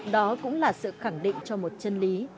đó cũng là sự khẳng định cho một chân lý